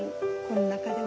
この中でも。